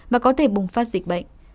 và có thể bùng phát dịch bệnh